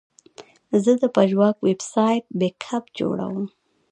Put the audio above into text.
زه د پژواک ویب سایټ بیک اپ جوړوم.